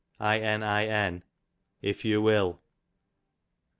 Inin, if you will.